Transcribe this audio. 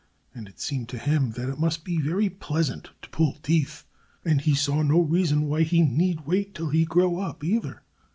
And it seemed to him that it must be very pleasant to pull teeth. And he saw no reason why he need wait till he grew up, either.